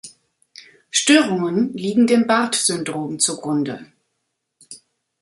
Störungen liegen dem Barth-Syndrom zugrunde.